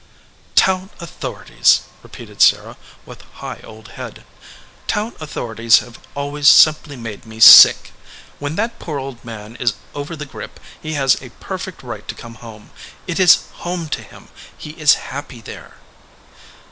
"Town authorities !" repeated Sarah, with high old head. "Town authorities have always simply made me sick. When that poor old man is over ihe grip he has a perfect right to come home. It is home to him. He is happy there."